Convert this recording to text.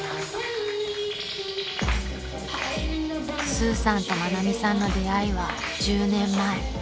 ［スーさんと愛美さんの出会いは１０年前］